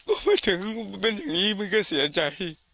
ไปถึงเป็นอย่างนี้มันก็เสียใจ